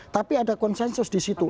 tapi ada konsensus di situ